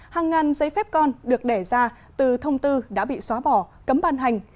hàng ngàn giấy phép con được đẻ ra từ thông tư đã bị xóa bỏ cấm ban hành